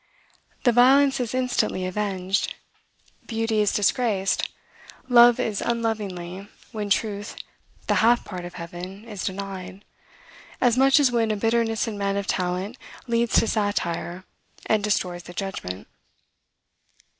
The violence is instantly avenged. Beauty is disgraced, love is unlovely, when truth, the half part of heaven, is denied, as much as when a bitterness in men of talent leads to satire, and destroys the judgment.